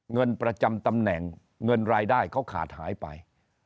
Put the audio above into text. เงินประจำตำแหน่งเงินรายได้เขาขาดหายไป